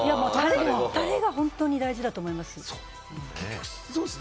たれが本当に大事だと思います。